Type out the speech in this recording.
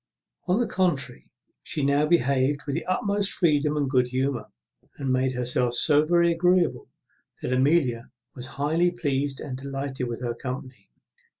On the contrary, she now behaved with the utmost freedom and good humour, and made herself so very agreeable, that Amelia was highly pleased and delighted with her company.